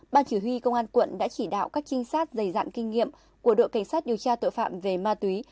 ban chỉ huy công an quận đã chỉ đạo các trinh sát dày dặn kinh nghiệm của đội cảnh sát điều tra tội phạm về ma túy